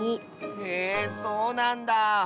へえそうなんだ。